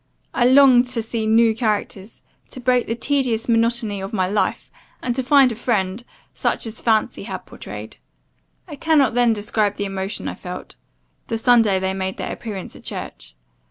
I longed to see new characters, to break the tedious monotony of my life; and to find a friend, such as fancy had pourtrayed. I cannot then describe the emotion I felt, the Sunday they made their appearance at church.